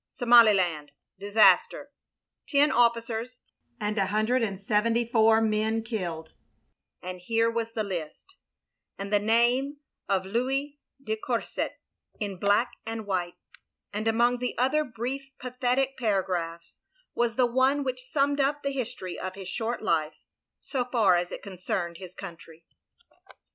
SOMALILAND DISASTER Ten Officers and 174 men killed and here was the list, and the name of Louis de Courset in black and white; and among the other brief pathetic paragraphs, was the one which stunmed up the history of his short life, so far as it concerned his country.